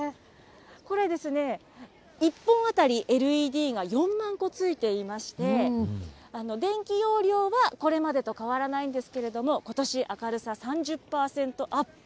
これ、１本当たり、ＬＥＤが４万個ついていまして、電気容量はこれまでと変わらないんですけれども、ことし、明るさ３０％アップ。